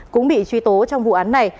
cũng bị truy tố trong vụ án này